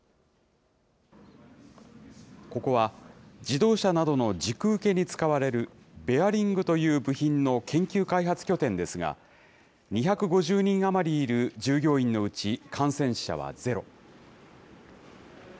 ここは、自動車などの軸受けに使われるベアリングという部品の研究開発拠点ですが、２５０人余りいる従業員のうち、感染者はゼロ。